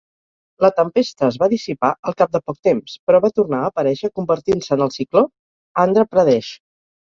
La tempesta es va dissipar al cap de poc temps, però va tornar a aparèixer convertint-se en el cicló Andhra Pradesh.